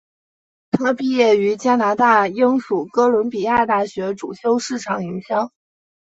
她毕业于加拿大英属哥伦比亚大学主修市场营销。